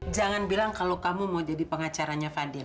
jangan bilang kalau kamu mau jadi pengacaranya fadil